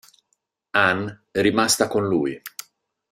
Ann è rimasta con lui.